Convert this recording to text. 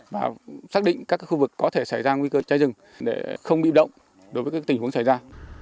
và xác định các khu vực có thể xảy ra nguy cơ cháy rừng để không bị động đối với các tình huống xảy ra